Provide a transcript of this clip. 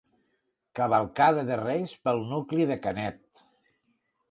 Cavalcada de reis pel nucli de Canet.